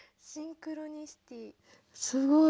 すごい。